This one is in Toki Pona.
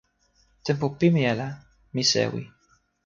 tenpo pimeja la, mi sewi.